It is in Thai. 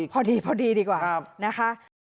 พอดีดีกว่านะคะ